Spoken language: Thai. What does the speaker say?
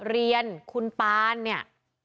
เรียนคุณปานเนี่ย